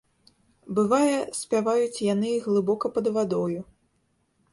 Бывае, спяваюць яны і глыбока пад вадою.